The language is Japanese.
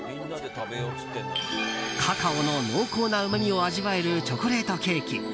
カカオの濃厚なうまみを味わえるチョコレートケーキ。